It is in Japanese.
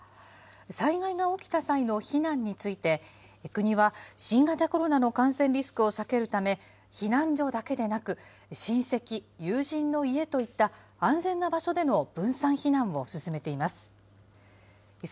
災害が起きた際の避難について、国は新型コロナの感染リスクを避けるため、避難所だけでなく、親戚、友人の家といった、安全な場所での分散避難を勧めています。